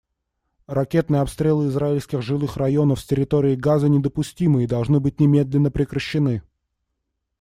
Ракетные обстрелы израильских жилых районов с территории Газы недопустимы и должны быть немедленно прекращены.